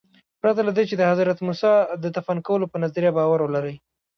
پرته له دې چې د حضرت موسی د دفن کولو په نظریه باور ولرئ.